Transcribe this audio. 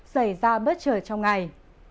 xảy ra bất chờ trong ngày